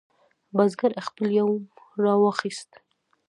بزګر خپل یوم راواخست.